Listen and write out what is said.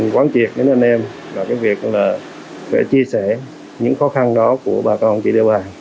quán triệt với anh em là cái việc là phải chia sẻ những khó khăn đó của bà con chị địa bàn